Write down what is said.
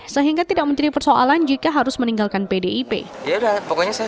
sehingga tidak menjadi persoalan jika harus meninggalkan pdip